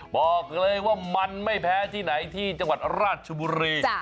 บอกเลยว่ามันไม่แพ้ที่ไหนที่จังหวัดราชบุรี